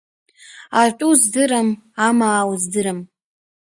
Атәы уздырам, амаа уздырам…